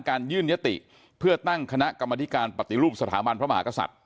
การยื่นยะติเพื่อตั้งคณะกรรมณีการปฏิรูปสถามรรพมหากศัตย์